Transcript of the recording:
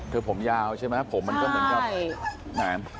ผมยาวใช่ไหมผมมันก็เหมือนกับแหม